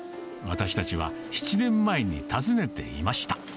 私たちは７年前に訪ねていました。